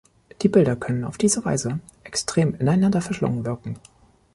Die Bilder können auf diese Weise extrem ineinander verschlungen wirken.